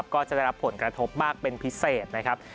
ก็จะได้รับผลกระทบมากเป็นพิเศษนะครับ